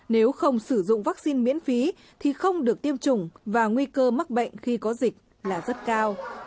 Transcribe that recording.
nếu không sử dụng vaccine miễn phí thì không được tiêm chủng và nguy cơ mắc bệnh khi có dịch là rất cao